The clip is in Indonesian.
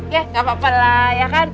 ya gapapa lah ya kan